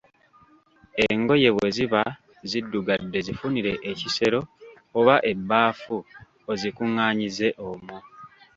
Engoye bwe ziba ziddugadde zifunire ekisero oba ebbaafu ozikunganyize omwo.